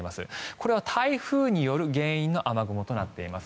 これは台風による原因の雨雲となっています。